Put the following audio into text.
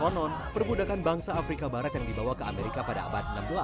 konon perbudakan bangsa afrika barat yang dibawa ke amerika pada abad enam belas